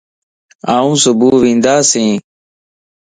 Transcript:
آن صبح وندياسين